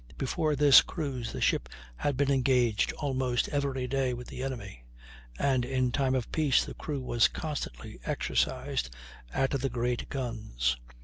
Before this cruise, the ship had been engaged almost every day with the enemy; and in time of peace the crew were constantly exercised at the great guns."